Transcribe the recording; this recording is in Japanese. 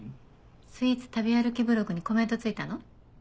スイーツ食べ歩きブログにコメントついたの？